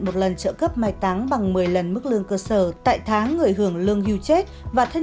một lần trợ cấp mai táng bằng một mươi lần mức lương cơ sở tại tháng người hưởng lương hưu chết và thay